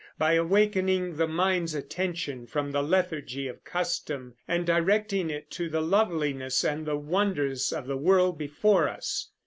by awakening the mind's attention from the lethargy of custom and directing it to the loveliness and the wonders of the world before us."